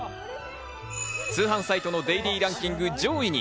通販サイトのデイリーランキング上位に。